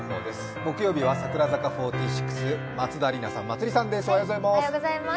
木曜日は櫻坂４６の松田里奈さん、まつりさんです。